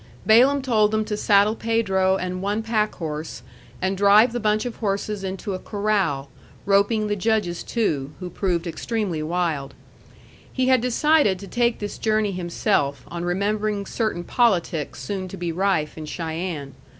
Balaam told them to saddle Pedro and one packhorse, and drive the bunch of horses into a corral, roping the Judge's two, who proved extremely wild. He had decided to take this journey himself on remembering certain politics soon to be rife in Cheyenne.